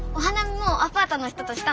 もうアパートの人としたの？